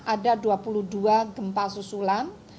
ada dua puluh dua gempa susulan